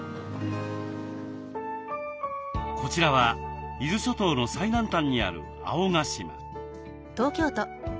こちらは伊豆諸島の最南端にある青ヶ島。